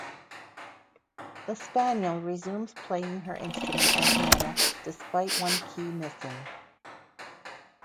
The spaniel resumes playing her instrument as normal despite one key missing.